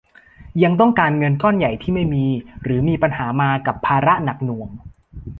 ยังต้องการเงินก้อนใหญ่ที่ไม่มี หรือมีปัญหามากับภาระหนักหน่วง